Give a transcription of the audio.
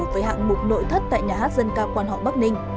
với hạng mục nội thất tại nhà hát dân ca quan họ bắc ninh